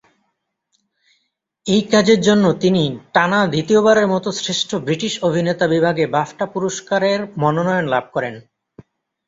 এই কাজের জন্য তিনি টানা দ্বিতীয়বারের মত শ্রেষ্ঠ ব্রিটিশ অভিনেতা বিভাগে বাফটা পুরস্কারের মনোনয়ন লাভ করেন।